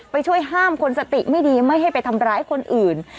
ไปช่วยห้ามคนสติไม่ดีไม่ให้ไปทำร้ายคนอื่น